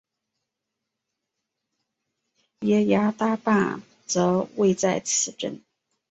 耶涯大坝则位在此镇。